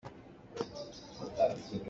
Phuchim herh in aa herh.